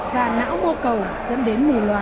và não mô cầu dẫn đến mù loài